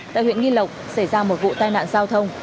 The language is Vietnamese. tại huyện nghi lộc xảy ra một vụ tai nạn giao thông